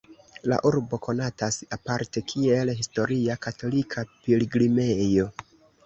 La urbo konatas aparte kiel historia katolika pilgrimejo.